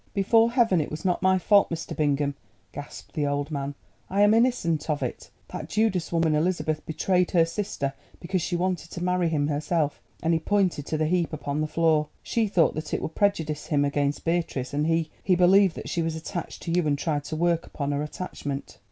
"Before Heaven, it was not my fault, Mr. Bingham," gasped the old man. "I am innocent of it. That Judas woman Elizabeth betrayed her sister because she wanted to marry him herself," and he pointed to the Heap upon the floor. "She thought that it would prejudice him against Beatrice, and he—he believed that she was attached to you, and tried to work upon her attachment."